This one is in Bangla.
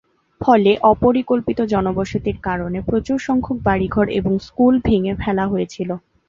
ফলে অপরিকল্পিত জনবসতির কারণে প্রচুর সংখ্যক বাড়িঘর এবং স্কুল ভেঙে ফেলা হয়েছিল।